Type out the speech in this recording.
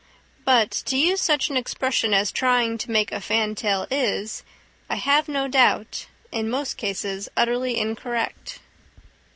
But to use such an expression as trying to make a fantail is, I have no doubt, in most cases, utterly incorrect.